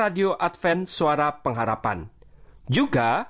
dia yesus tuhan ku